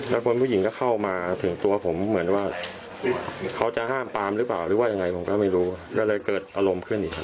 แล้วคนผู้หญิงก็เข้ามาถึงตัวผมเหมือนว่าเขาจะห้ามปามหรือเปล่าหรือว่ายังไงผมก็ไม่รู้ก็เลยเกิดอารมณ์ขึ้นอีกครับ